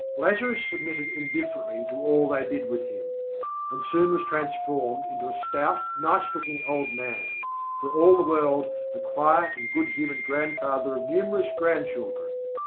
Lazarus submitted indifferently to all they did with him, and soon was transformed into a stout, nice looking old man, for all the world a quiet and good humoured grandfather of numerous grandchildren.